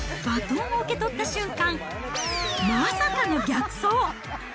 バトンを受け取った瞬間、まさかの逆走。